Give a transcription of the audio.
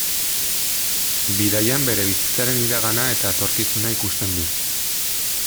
Bidaian bere bizitzaren iragana eta etorkizuna ikusten du.